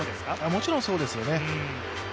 もちろんそうですよね。